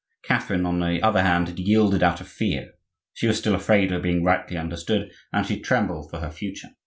Catherine, on the other hand, had yielded out of fear; she was still afraid of being rightly understood, and she trembled for her future.